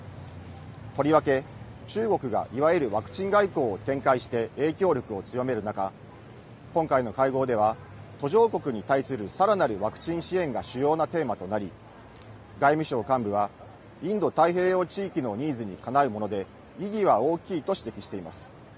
とりわけ、中国がいわゆるワクチン外交を展開して影響力を強める中、今回の会合では、途上国に対するさらなるワクチン支援が主要なテーマとなり、外務省幹部は、インド太平洋地域のニーズにかなうもので、意義は大きいと指摘しています。